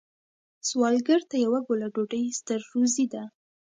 سوالګر ته یوه ګوله ډوډۍ ستر روزی ده